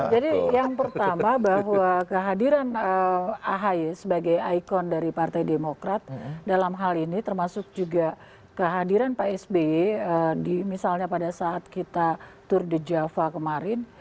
jadi yang pertama bahwa kehadiran ahy sebagai ikon dari partai demokrat dalam hal ini termasuk juga kehadiran pak sbe di misalnya pada saat kita tour di java kemarin